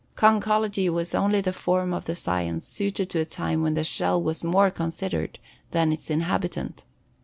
Conchology was only the form of the science suited to a time when the shell was more considered than its inhabitant.